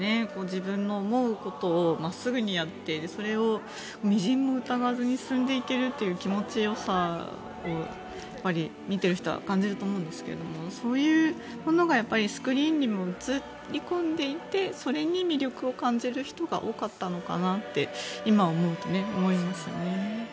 自分の思うことを真っすぐにやっていてそれを微塵も疑わずに進んでいけるという気持ちよさを見ている人は感じると思うんですけどそういうものがスクリーンにも映り込んでいてそれに魅力を感じる人が多かったのかなって今思うと、思いますね。